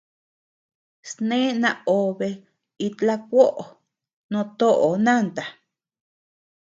Sne naobe it laʼa kuoʼo no toʼo nanta.